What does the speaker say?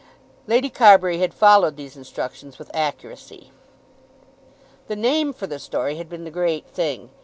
Lady Carbury had followed these instructions with accuracy. The name for the story had been the great thing.